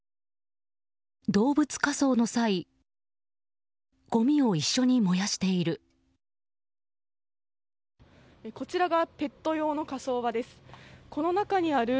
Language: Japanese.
動物火葬の際ごみを一緒に燃やしている。